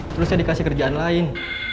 terus saya dikasih kerjaan lain